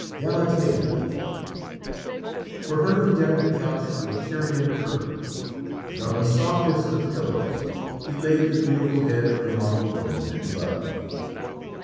Galatea!..." For her he decked a couch with Tyrian purple, and on the softest of pillows he laid the beautiful head of the marble woman that he loved.